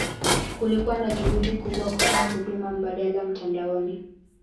Kulikuwa na juhudi kubwa kutoa huduma mbadala mtandaoni.